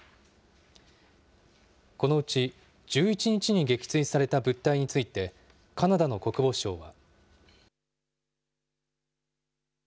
このうち、１１日に撃墜された物体について、カナダの国防相は。